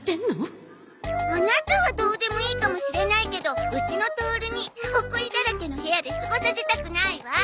アナタはどうでもいいかもしれないけどうちのトオルにほこりだらけの部屋で過ごさせたくないわ。